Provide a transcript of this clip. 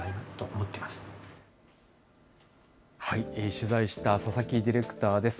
取材した佐々木ディレクターです。